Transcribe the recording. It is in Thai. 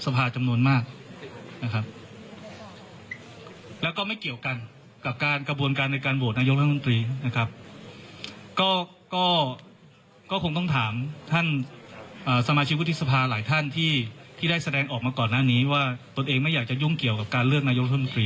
เป็นทางออกที่ดีสำหรับทุกฝ่าย